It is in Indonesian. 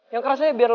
yang kerasnya biar lo